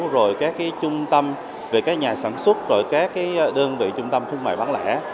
rồi các trung tâm về các nhà sản xuất rồi các đơn vị trung tâm thương mại bán lẻ